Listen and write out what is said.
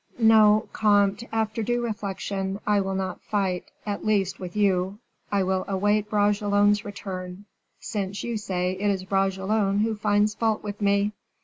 "No, comte, after due reflection, I will not fight, at least, with you. I will await Bragelonne's return, since you say it is Bragelonne who finds fault with me."